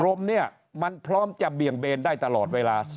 รมเนี่ยมันพร้อมจะเบี่ยงเบนได้ตลอดเวลา